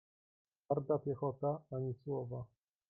"Twarda piechota, ani słowa."